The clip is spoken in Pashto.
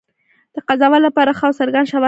د قضاوت لپاره ښه او څرګند شواهد کم دي.